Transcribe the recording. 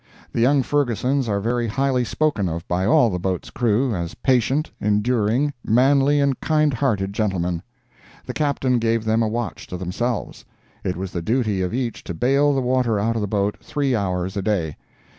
The young Fergusons are very highly spoken of by all the boat's crew, as patient, enduring, manly and kind hearted gentlemen. The Captain gave them a watch to themselves—it was the duty of each to bail the water out of the boat three hours a day.